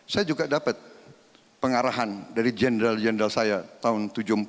saya juga dapat pengarahan dari jenderal jenderal saya tahun seribu sembilan ratus tujuh puluh empat